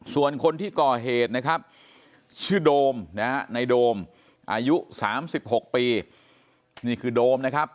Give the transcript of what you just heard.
ส่วนคนที่ก่อเหตุนะครับชื่อโดมนะฮะในโดมอายุ๓๖ปีนี่คือโดมนะครับ